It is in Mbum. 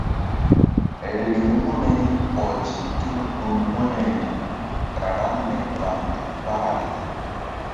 Riŋu ri ɔzi tul gun wu̧yri karaŋri ɓa nzuk kpahri.